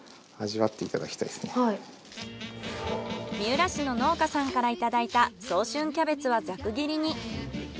三浦市の農家さんからいただいた早春キャベツはざく切りに。